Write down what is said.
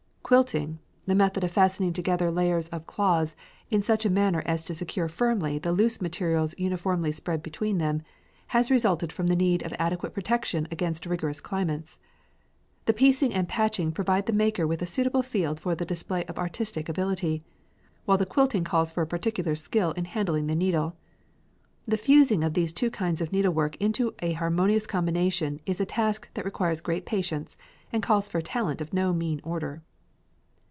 Quilting the method of fastening together layers of cloths in such a manner as to secure firmly the loose materials uniformly spread between them, has resulted from the need of adequate protection against rigorous climates. The piecing and patching provide the maker with a suitable field for the display of artistic ability, while the quilting calls for particular skill in handling the needle. The fusing of these two kinds of needlework into a harmonious combination is a task that requires great patience and calls for talent of no mean order.